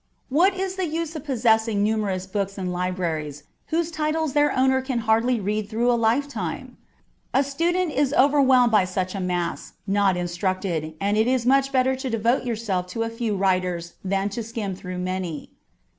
What is the use of possessing num berless books and libraries, whose titles their owner can hardly read through in a lifetime ? A student is over whelmed by such a mass, not instructed, and it is much better to devote yourself to a few writers than to skim through many.